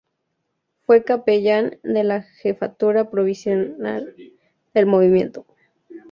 Fue capellán de la jefatura provincial del Movimiento.